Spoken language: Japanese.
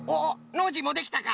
ノージーもできたか！